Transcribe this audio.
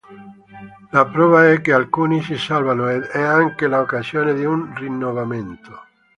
La prova è che alcuni si salvano, ed è anche l'occasione di un rinnovamento.